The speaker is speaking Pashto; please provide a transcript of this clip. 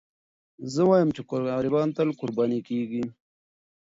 زه وایم چې غریبان تل قرباني کېږي.